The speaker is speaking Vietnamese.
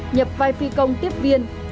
nhập vai phi công tiếp viên